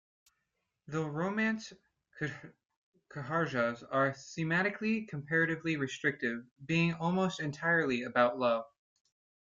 The Romance "kharjas" are thematically comparatively restricted, being almost entirely about love.